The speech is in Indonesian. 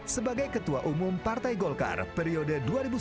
sebagai ketua umum partai golkar periode dua ribu sembilan belas dua ribu